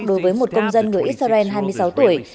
đối với một công dân người israel hai mươi sáu tuổi